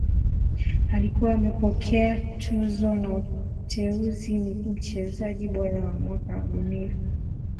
Alikuwa amepokea tuzo na uteuzi mchezaji bora wa mwaka wa dunia